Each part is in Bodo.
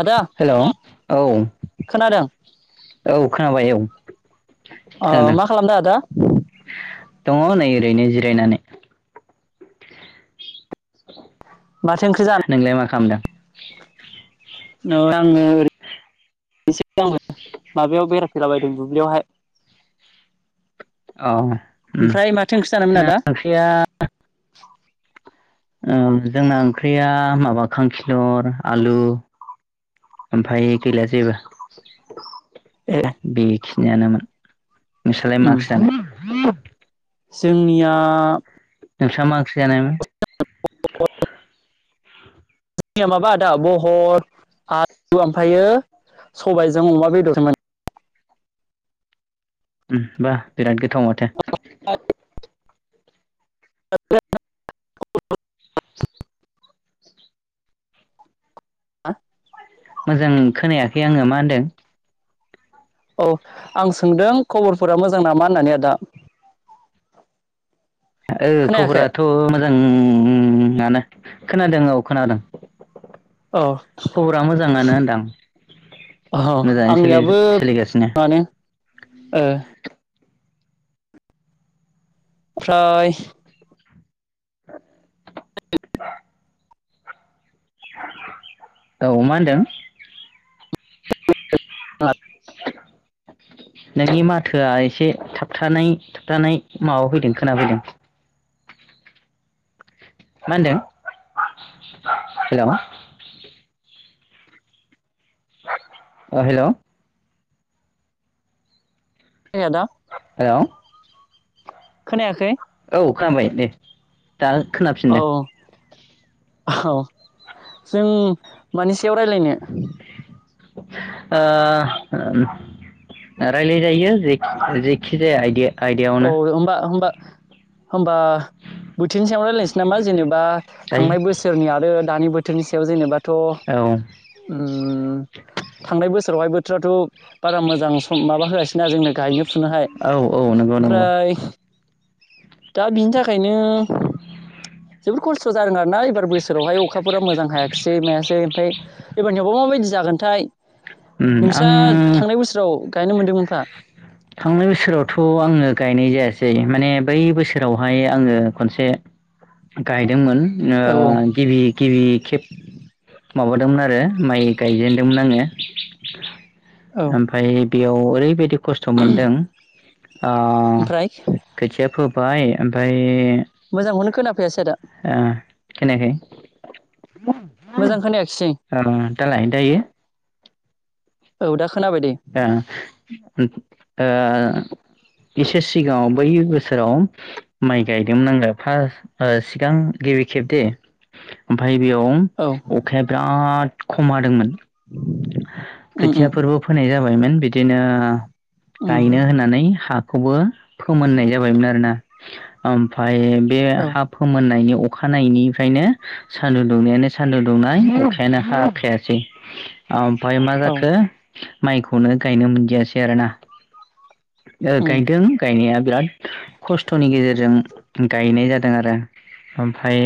आदा हेलौ औ खोनादों औ खोनाबाय औ अ खोनादों मा खालामदो आदा [unintelligible] नानै माथो ओंख्रि [inaudible] नोंलाय मा खामदो? [inaudible] [unintelligible] माबायाव बेरायफैलाबायदों दुब्लियावहाय अ ओमफ्राय माथो ओंख्रि जानोमोन आदा ओम जोंना ओंख्रिया माबा खांखिलर आलु ओमफाय गैला जेबो ए बे [unintelligible] नोंसालाय उम माखि जानाय जोंनिया नोंसा मा ओं जानायमोन? [inaudible] जोंनिया माबा आदा बहल आलु ओमफायो सबायजों अमा बेदरमोन। उ बाह बिराद गोथाव माथो। [inaudible] हा मोजां खोनायाखै आङो मा होनदों? औ आं सोंदों खबर फोरा मोजां नामा होननानै आदा? ओ खोनायाखै खबराथ' मोजां आनो खोनादों औ खोनादों। औ खबरा मोजांङानो होनदां औ मोजांङै सोलि आंनियाबो सोलिगासिनो। मानो ओ ओमफ्राय [inaudible] औ मा होनदों? [inaudible] नोंनि माथोआ एसे थाबथानाय थाबथानाय माबा फैदों खोनाफैदों। मा होनदों हेल' ओ हेल' आदा औ खोनायाखै औ खोनाबाय दे दा औ खोनाफिननो औ जों मानि सायाव राय्लायनो? ओ राय्लायजायो जेखि जेखिजाया आइदाया औ होमबा होमबा होमबा बोथोरनि सायाव रायलायनोसै नामा जेनेबा जायो थांनाय बोसोरनि आरो दानि बो थोर नि सायाव जेनेबा थ' उम औ उम थांनाय बोसोरावहाय बोथोराथ' बारा मोजां माबा होआासैना जोंनो गायनो। फुनोहाय औ औ नंगौ नंगौ ओमफ्राय दा बिनि थाखायनो जोबोद खस्थ' जादों आरो दाना एबार बोसोरावहाय अखाफोरा मोजां हायाखिसै मायासै ओमफ्राय एबारनियाव बा माबायदि जागोनथाय उम नोंस्रा आं थांनाय बोसोराव गायनो मोनदोंमोनफा थांनाय बोसोरावथ' आङो गायनाय जायासै माने बै बोसोरावहाय आंङो खनसे गायदोंमोन औ ओ गिबि गिबि खेब माबादोंमोन आरो माइ गायजेनदोंमोन औ ओमफ्राय बेयाव ओरै बायदि खस्थ' मोनदों आ ओमफ्राय खोथिया फोबाय ओमफ्राय मोजांखौनो खोनाफैयासै आदा ओ खोनायाखै मोजां खोनायाखिसै अ दालाय दायो औ दा खो आ ओ इसे सिगाङाव बै बोसोराव माइ गायदोंमोन आङो फारस् सिगां गिबि खेब दे ओमफाय औ बेयाव अखाया बिराद खम हादोंमोन उम खोथिया उम फोरबो होननाय जाबायमोन बिदिनो उम गायनो होननानै हा खौबो फोमोननाय जाबायमोन आरोना ओमफा बे औ हा फोमोननायनि अ अखानायनिफ्रायनो सान्दुं दुंनायानो सान्दुं दुंनाय अखायानो हाखायासै ओमाय मा औ जाखो माइखौनो गायनो मोनदियासै आरो उम गायदों गायनाया बिराद खस्थ'नि गेजेरजों गायनाय जादों आरो ओमफ्राय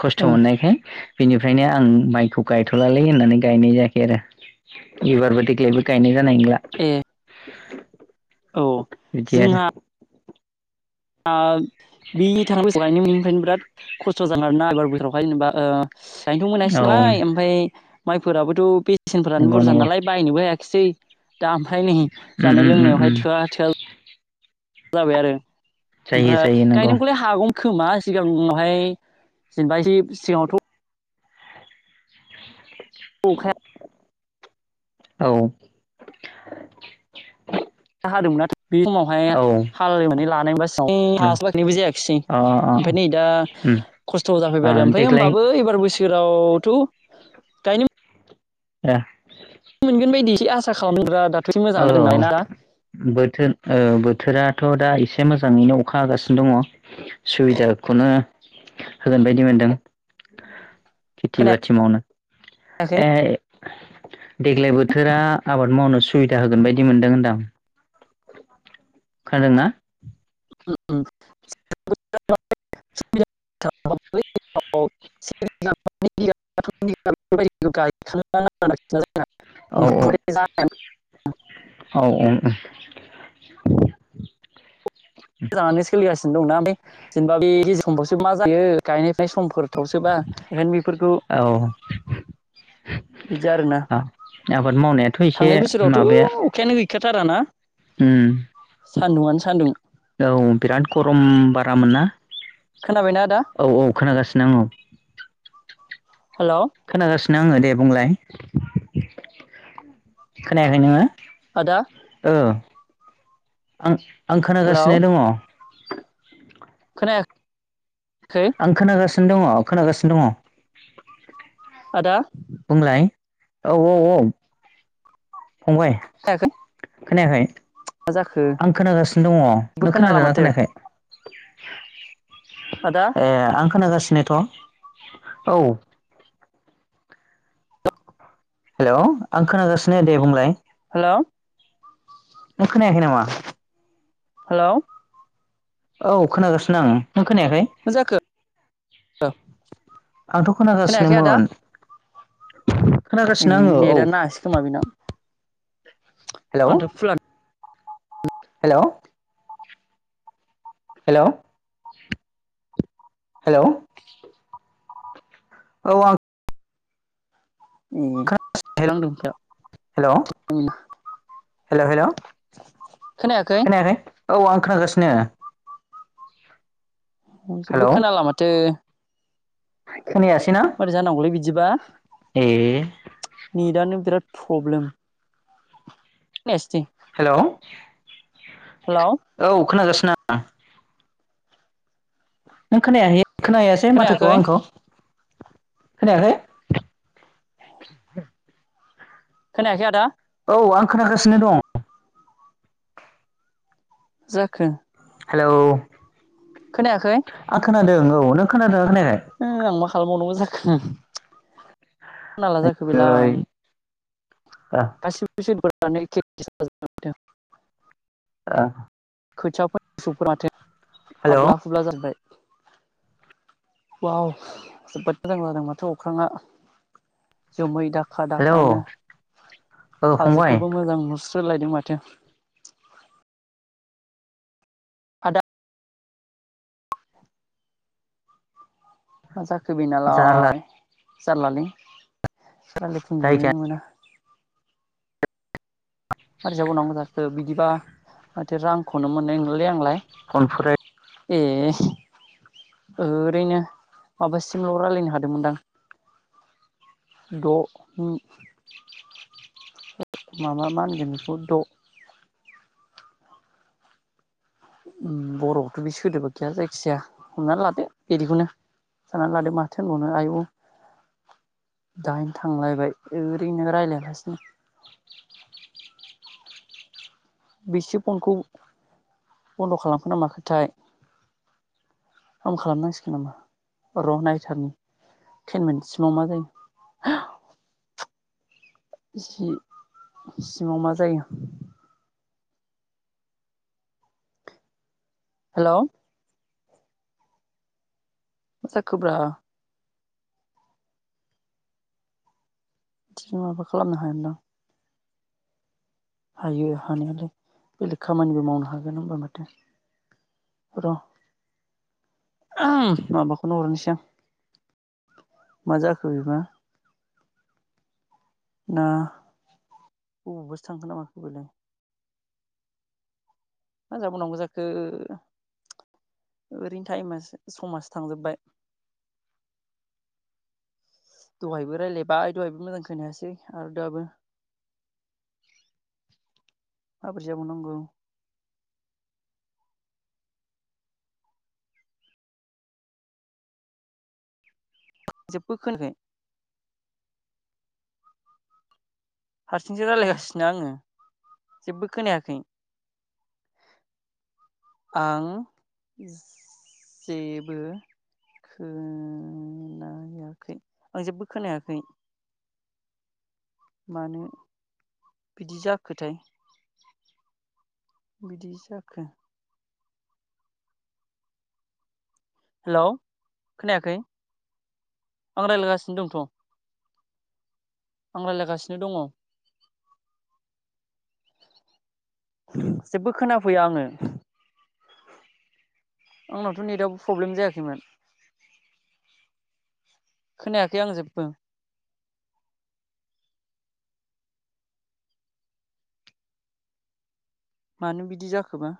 खस्थ' औ मोननायखाय बेनिफ्रायनो आं माइखौ गायथ'लालै होननानै गायनाय जायाखै आरो एबारबो यावबो गायनाय जानाय नंला ए औ [inaudible] बिदि आरो आ बि थांनाय बोसोराव गायनो मोनिनिफ्रायनो बिराद खस्थ' जादों आरोना एबार बोसोरावहाय जेनबा ओ गायनथ मोनासै औ नालाय ओमफ्राय माइफोराबोथ' बे बेसेनफोरानो नंगौ बुरजा नंगौ नालाय बायनोबो हायाखिसै दा ओमफ्राय नैै उम जानाय उम उम उम लोंनायावहाय थोआ थोआ जाबाय आरो। जायो ओमफ्राय जायो नंगौ गायनोखौलाय हागौ खोमा सिगांआवहाय जेनेबा एसे सिगाङावथ' [unintelligible] औ हादोंमोना बे समावहाय औ हालनानै ला नायबास हास बाखैनायबो जायाखिसै अ अ ओमफ्राय नै दा उम खस्थ' ओ जाफैबाय आरो ओमफ्राय देग्लाय होमबाबो एबारबो सो जेरावथ' गायनो एह खि आसा खालामावदों रा दा औ बोथोर औ बोथोरा थ' दा एसे मोजाङैनो अखा होगासिनो दङ सुबिदारखौनो होगोन बायदि मोनदों। खेथि बाथि मावनो। खोनायाखै ए देग्लाय बोथोरा आबाद मावनो सुबिदा होगोन बायदि मोनदों होनदां आं। खानादों ना? [unintelligible] औ औ औ ओमफ्राय औ औ उम मोजाङानो सोलिगास दंना ओमफ्राय जेनेबा बे गेजेर समफ्रावसो मा जायो गायनाय फुनाय समफोर गोथावसोबा ओंखायनो बेफोरखौ औ बिदि आरोना आबाद मावनायाथ' एसे थांनाय बोसोरावथ' माबाया अखायानो गै खाथारा ना उम। सान्दुंङआनो सान्दुं। औ बिराद गरम बारामोन ना। खोनाबायना आदा औ, औ खोनागासिनो आं औ। हेल'। नङो दे बुंलाय खोनायाखै नोङो? आदा। आं [unintelligible] आं हेलौ खोनागासिनो दङ। [unintelligible] आं खोनागासि नो दङ खोनागासिनो दङ। आदा? बुंंलाय औ औ औ फंबाय खोनायाखै खोनायाखै? मा जाखो आं खोनागासिनो दङ जेबो नों खोनाला खोनादोंना माथो खोनायाखै? आदा ए आं खोनागासिनो नोथ' औ। हेल' आं खोनागासिनो दे बुंलाय। हेल'। नों खोनायाखै नामा? हेल'? औ खोनागासिनो आं। नों खोनायाखै मा जाखो आंथ' खोनायाखै खोनागासिनोमोन। [inaudible] ओ आङो औ नेटआनो नाङासै खोमा बेना। आंनाथ' फुलानो हेल'? हेल'? हेल'? औ आं ओम खोनागासिनो नांदों हेलौ हेलौ हेलौ [unintelligible] खोनायाखै? औ आं खोनागासिनो। जेबो हेलौ खोनाला माथो। खोनायासैना मारै जानांगौलै बिदिबा ए नेटानो बिराद प्रब्लेम हेल'? हेलौ औ खोनागासिनो। [unintelligible] नों खोनायाखै? खोना हैयासै माथोखौ खोनायाखै आंनिखौ? खोनायाखै? खोनायाखै आदा? औ आं खोनागासिनो दं। मा जाखो? हेलौ? खोनायाखै आं खोनादों र नों खोनादोना हो आं मा खालामबावनांगौ जाखो होम खोनाला जाखो खोनायाखै ओइ बेलाय ओ दासिम बेसे फोर [unintelligible] आ खोथियाफोरसौ फोराथो हेलौ हाब्ला हुब्ला जाजुबबाय वाव जोबोद मोजां जादों माथो अख्राङा जोमै दाख दाखा हेलौ दाखानो औ फंबाय हाजोखौबो मोजां नुस सोलायदों माथो आदा माजाखो बिना जारला लाय जारलालै रायलायफुं जोबनोनो जायगायानो मोना मारै जाबावनांगौ जाखो बिदिबा माथो रांखौनो मोननाय नंला लै आंलाय फनफोरायद ए ओरैनो माबासिमल रायजलायनो हादोंमोनदां द ओम माबा मा होनगोन बेखौ द बरआवथ बे सोदोबा गैया जायखिजाया हमनानै लादो बिदिखौनो सानानानै लादो माथो होनबावनो आयु दाइन थांलायबाय ओरैनो रायजलायालासिनो बेसो फनखौ बन्द खालामखो ना माखो थाय आंबो खालामनांसिगोन नामा र नायथारनि टेन मिनिटसिमाव मा जायो जि सिङाव मा जायो हेल मा‌ जाखो ब्रा बिदिनो माबा खालामनो हागोनदां हायो हानायालाय बेलेग खामानिबो मावनो हागोन होनबा माथो र माबाखौनो हरनोसै आं मा जाखो बेबा ना बबावबासो थांखोना‌ माखो बेलाय मा जाबावनांगौ जाखो ओरैनो टाइमासो समासो थांजोब्बाय दहायबो रायलायबाय दहायबो मोजां खोनायासै आरो दाबो माबोरै जाबावनांगौ पाक जेब्बो खोनायाखै हारसिंसो रायलायगासिनो आङो जेबबो खोनायाखै आं जेबो खोनायाखै आं जेबो खोनायाखै मानो बिदि जाखोथाय बिदि जाखो हेलौ खोनायाखै आं रायलायगासिनो दंथ' आं रायलायगासिनो दङ' जेबबो खोनाफैया आङो आंनावथ' नेटआबो प्रब्लेम जायाखैमोन खोनायाखै आं जेब्बो मानो बिदि जाखोबा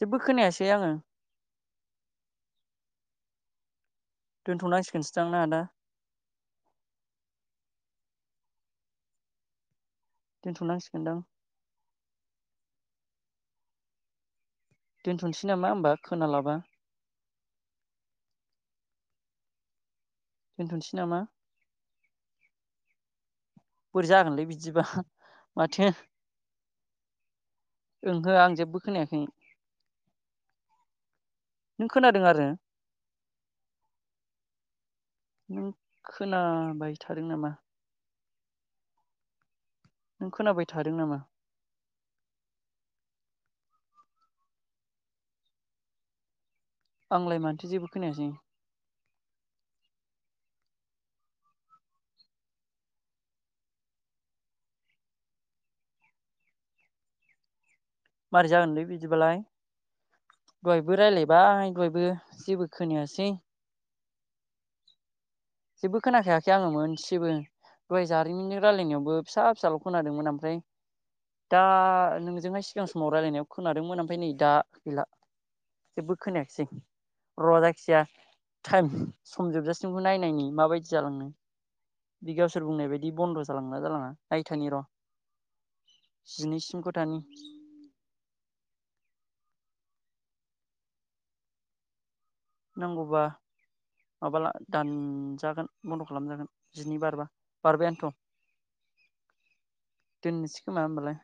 जेबो खोनायासै आङो दोनथ'नांसिगोनसो दां ना आदा दोनथ'नांसिगोनदां दोन्थ'नोसै नामा होमबा खोनालाबा दोनथ'सै नामा? बोरै जागोनलै बिदिबा माथो ओंहो आं जेबबो खोनायाखै नों खोनादों आरो नों खोनाबाय थादों नामा नों खोनाबाय थादों नामा? आंलाय माथो जेबो खोनायासै। मारै जागोनलै बिदिबालाय दहायबो रायलायबाय दहायबो जेबो खोनायासै जेबो खोनाखायाखै आङो मोनसेबो दहाय जारिमिन रायलायनायावबो फिसा फिसाल' खोनादोंमोन ओमफ्राय दा नोंजोंहाय सिगां समाव रायलायनायाव खोनादोंमोन ओमफाय नै दा गैला जेबो खोनायाखिसै र' जायखिजाया टाइम सम जोबजासिमखौ नायनायनि माबायदि जालांनो बिगावसोर बुंनाय बायदि बन्द' जालांना जालाङा नायथानि र' जिनैसिमखौथानि नांगौबा माबाला दानजागोन बन्द' खालामजागोन जिनि बारबा बारबायानोथ' दोननोसै खोमा होमबालाय